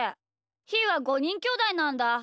ひーは５にんきょうだいなんだ。